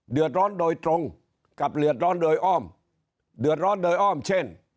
เดือดร้อนโดยตรงกับเดือดร้อนโดยอ้อมเดือดร้อนโดยอ้อมเช่น